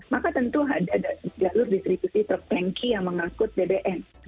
maka tentu ada jalur distribusi truk tanki yang mengangkut bbm